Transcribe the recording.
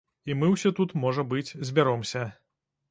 І мы ўсе тут, можа быць, збяромся.